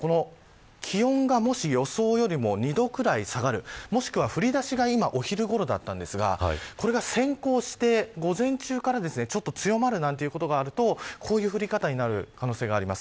気温がもし予想よりも２度くらい下がるもしくは、降り出しが今、お昼ごろだったんですがこれが先行して午前中から強まるなんていうことがあるとこういう降り方になる可能性があります。